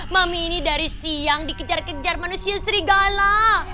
mami ini dari siang dikejar kejar manusia serigala